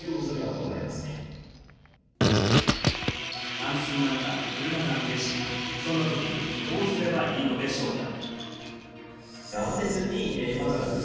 冠水の中、車が停止、そんなときどうすればいいのでしょうか？